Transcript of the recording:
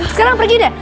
sekarang pergi deh